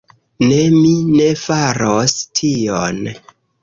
Ne, mi ne faros tion.